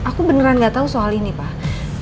aku beneran gak tahu soal ini pak